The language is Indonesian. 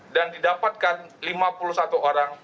dan didapatkan lima puluh satu orang